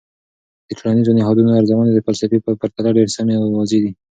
د ټولنیزو نهادونو ارزونې د فلسفې په پرتله ډیر سمی او واضح دي.